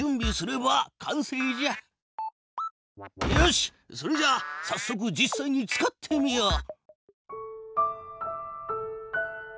しっそれじゃあさっそく実さいに使ってみよう！